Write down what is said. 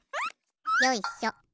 よいしょ。